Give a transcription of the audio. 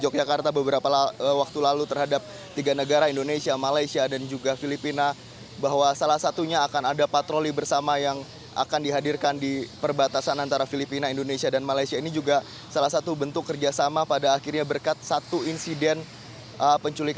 pertama sekali saya ingin mengucapkan terima kasih kepada para penyelenggara yang telah menonton video ini